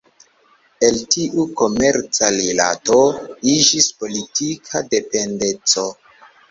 El tiu komerca rilato iĝis politika dependeco.